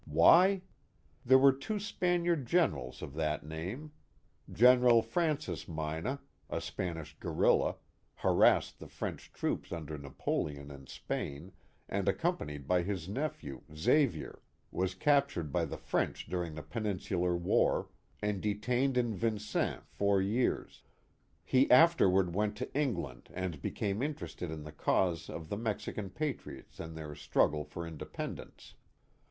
Why ? There were two Spani.sh generals of that Canajoharie — The Hills of Florida 407 name. Gen. Francis Mina, a Spanish guerilla, harassed the French troops under Napoleon in Spain, and accom panied by his nephew, Xavier, was captured by the French during the Peninsular War, and detained in Vincennes four years. He afterward went to England and became in terested in the cause of the Mexican patriots in their struggle for independence.